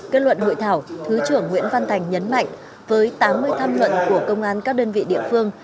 kết luận hội thảo thứ trưởng nguyễn văn thành nhấn mạnh với tám mươi tham luận của công an các đơn vị địa phương